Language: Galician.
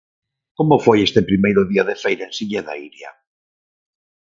Como foi este primeiro día de feira en Silleda, Iria?